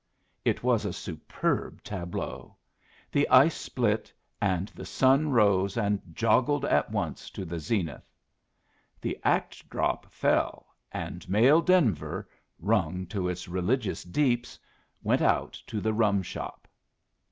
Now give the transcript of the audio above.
It was a superb tableau: the ice split, and the sun rose and joggled at once to the zenith. The act drop fell, and male Denver, wrung to its religious deeps, went out to the rum shop.